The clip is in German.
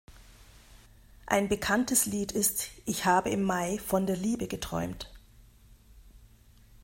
Ein bekanntes Lied ist Ich habe im Mai von der Liebe geträumt.